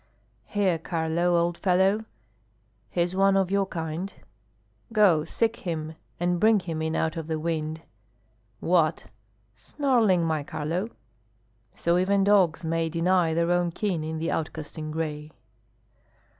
Here, Carlo, old fellow, he's one of your kind, Go, seek him, and bring him in out of the wind. What! snarling, my Carlo! So even dogs may Deny their own kin in the outcast in gray.